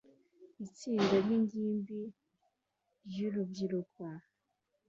Itsinda ry'ingimbi ryurubyiruko